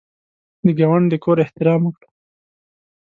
د ګاونډي د کور احترام وکړه